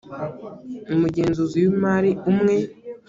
umugenzuzi w’imari umwe